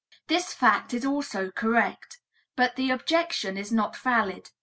This fact is also correct, but the objection is not valid.